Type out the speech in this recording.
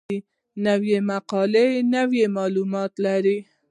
نوې مقاله نوي معلومات لري